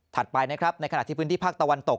ไปนะครับในขณะที่พื้นที่ภาคตะวันตก